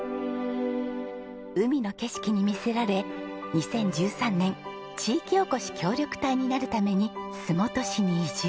海の景色に魅せられ２０１３年地域おこし協力隊になるために洲本市に移住。